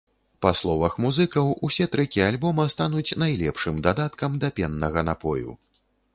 Па словах музыкаў, усе трэкі альбома стануць найлепшым дадаткам да пеннага напою.